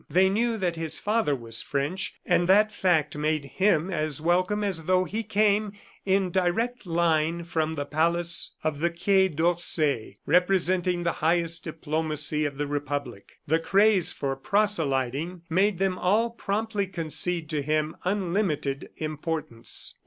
They knew that his father was French, and that fact made him as welcome as though he came in direct line from the palace of the Quai d'Orsay, representing the highest diplomacy of the Republic. The craze for proselyting made them all promptly concede to him unlimited importance.